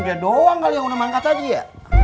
kirain udah doang kali yang udah mangkat haji ya